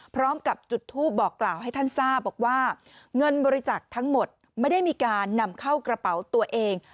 พร้อมกับจุดทูปบอกกล่าวให้ท่านทราบบอกว่าเงินบริจาคทั้งหมดไม่ได้มีการนำเข้ากระเป๋าตัวเอง